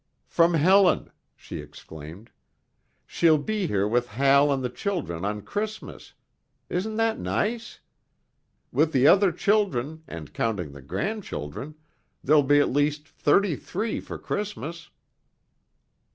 "From Helen!" she exclaimed. "She'll be here with Hal and the children on Christmas! Isn't that nice? With the other children and counting the grandchildren, there'll be at least thirty three for Christmas!"